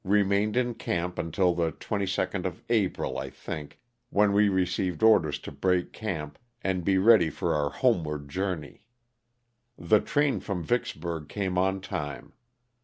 Remained in camp until the 22nd of April, I think, when we received orders to break camp and be ready for our homeward journey. The train from Vicksburg came on time.